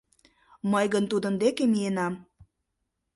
Мый гын тудын деке миенам.